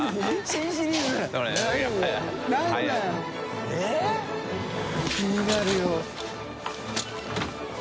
А繊気になるよ。